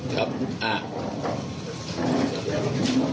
ครับอ่า